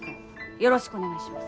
よろしくお願いします。